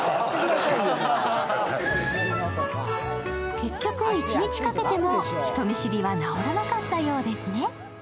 結局、一日かけても人見知りは治らなかったようですね。